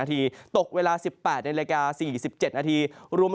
ตกเวลา๑๘ในรายการ๔๗น